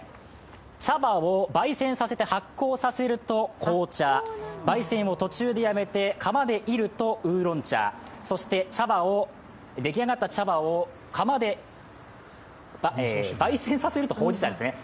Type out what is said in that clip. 茶葉を焙煎させて発酵させると紅茶、焙煎を途中でやめて釜で炒るとウーロン茶、そして、でき上がった茶葉で釜でばい煎させるとほうじ茶ですね。